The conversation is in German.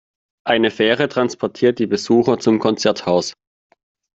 Eine Fähre transportiert die Besucher zum Konzerthaus.